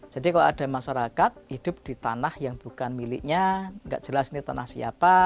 jadi kalau ada masyarakat hidup di tanah yang bukan miliknya gak jelas ini tanah siapa